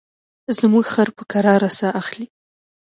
زموږ خر په کراره ساه اخلي.